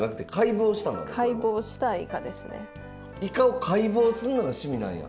イカを解剖すんのが趣味なんや。